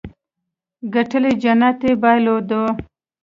ګټلې جنت يې بايلودو.